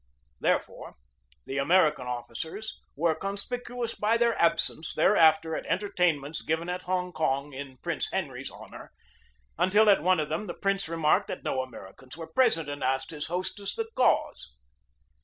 Therefore the American officers were conspicuous by their absence thereafter at entertainments given at Hong Kong in Prince Henry's honor, until at one of them the prince remarked that no Americans were present, and asked his hostess the cause.